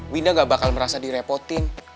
winda gak bakal merasa direpotin